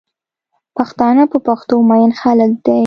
پښتانه په پښتو مئین خلک دی